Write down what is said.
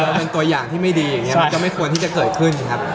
เป็นตัวอย่างที่ไม่ดีอย่างนี้มันก็ไม่ควรที่จะเกิดขึ้นครับ